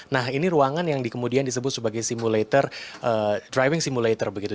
nah ini ruangan yang kemudian disebut sebagai simulator driving simulator begitu